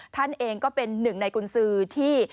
ท่านเองก็เป็นหนึ่งในกุญสือที่